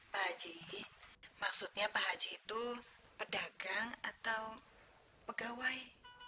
pak haji maksudnya pak haji itu pedagang atau pegawai